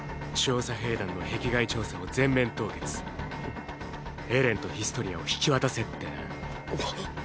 調査兵団の壁外調査を全面凍結エレンとヒストリアを引き渡せってな。